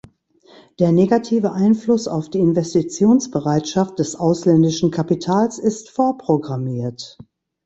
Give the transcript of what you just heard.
Der negative Einfluss auf die Investitionsbereitschaft des ausländischen Kapitals ist vorprogrammiert.